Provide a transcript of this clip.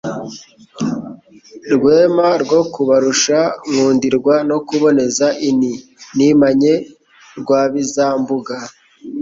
Rwema rwo kubarusha nkundirwa no kuboneza inti, nimanye Rwabizambuga;